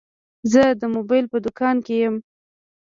زه د موبایل په دوکان کي یم.